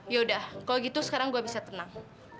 yaudah kalau gitu sekarang gue bisa tenang